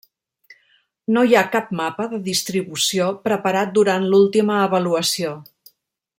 No hi ha cap mapa de distribució preparat durant l'última avaluació.